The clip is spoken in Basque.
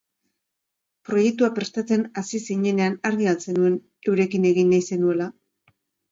Proiektua prestatzen hasi zinenean argi al zenuen eurekin egin nahi zenuela?